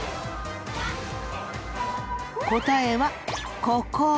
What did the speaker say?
答えはここ。